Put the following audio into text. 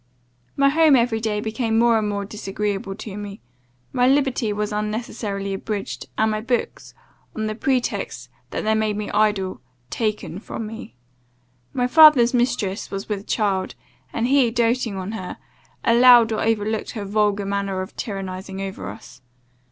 "My home every day became more and more disagreeable to me; my liberty was unnecessarily abridged, and my books, on the pretext that they made me idle, taken from me. My father's mistress was with child, and he, doating on her, allowed or overlooked her vulgar manner of tyrannizing over us.